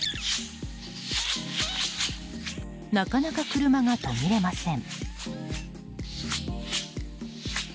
なかなか車が途切れません。